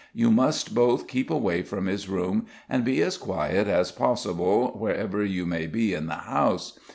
You must both keep away from his room, and be as quiet as possible wherever you may be in the house.